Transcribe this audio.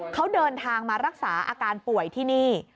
เขาเดินทางมารักษาอาการป่วยที่นี่